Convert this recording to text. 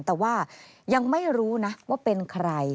แต่ว่ายังไม่รู้นะว่าเป็นใคร